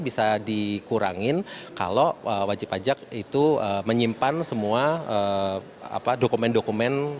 bisa dikurangin kalau wajib pajak itu menyimpan semua dokumen dokumen